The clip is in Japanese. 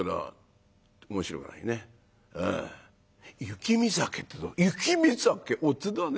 雪見酒ってどう」。